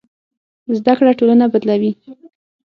زده کړه ټولنه بدلوي.